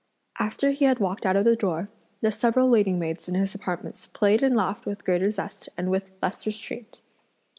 After he had walked out of the door, the several waiting maids in his apartments played and laughed with greater zest and with less restraint.